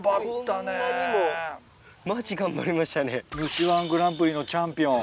虫−１グランプリのチャンピオン。